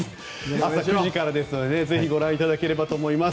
朝９時からですのでぜひご覧いただければと思います。